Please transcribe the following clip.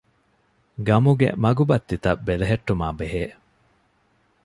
ގަމުގެ މަގުބައްތިތައް ބެލެހެއްޓުމާ ބެހޭ